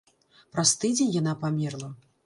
Праз тыдзень яна памерла.